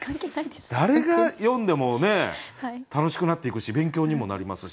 誰が詠んでも楽しくなっていくし勉強にもなりますし